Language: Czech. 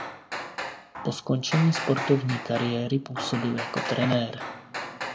Po skončení sportovní kariéry působil jako trenér.